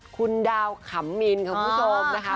คุณดาวขำมินค่ะคุณผู้ชมนะคะ